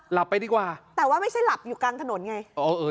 หลับไปดีกว่าแต่ว่าไม่ใช่หลับอยู่กลางถนนไงโอ้เออ